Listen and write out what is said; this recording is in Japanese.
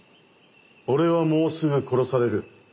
俺はもうすぐ殺される。